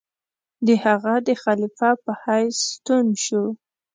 د هغه د خلیفه په حیث ستون شو.